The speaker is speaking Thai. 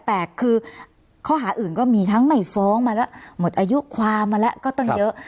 แปลกคือข้อหาอื่นก็มีทั้งไม่ฟ้องมาแล้วหมดอายุความมาแล้วก็ตั้งเยอะ